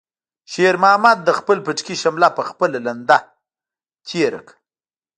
شېرمحمد د خپل پټکي شمله په خپله لنده تېره کړه.